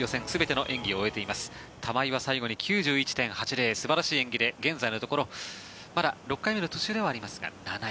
玉井は最後に９１．８０素晴らしい演技で現在のところまだ６回目の途中ではありますが７位。